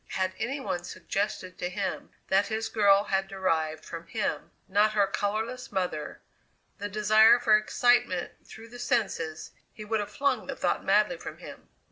Had any one suggested to him that his girl had derived from him not her colourless mother the desire for excitement through the senses, he would have flung the thought madly from him.